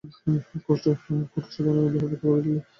কঠোর সাধনা করে এ দেহ পাত করে ফেলেছি।